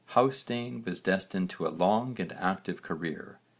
Hásteinn was destined to a long and active career.